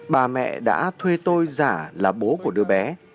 bà mẹ đã thuê tôi giả là bố của đứa bé